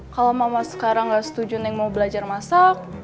kalau mama sekarang gak setuju neng mau belajar masak